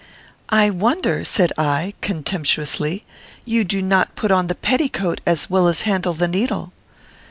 "'I wonder,' said I, contemptuously, 'you do not put on the petticoat as well as handle the needle.'